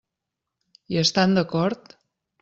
Hi estan d'acord?